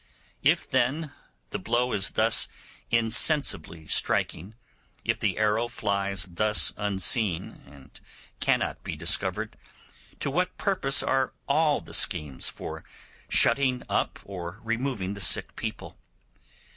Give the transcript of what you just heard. If then the blow is thus insensibly striking—if the arrow flies thus unseen, and cannot be discovered—to what purpose are all the schemes for shutting up or removing the sick people?